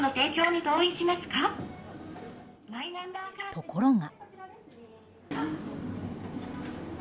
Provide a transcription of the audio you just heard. ところが。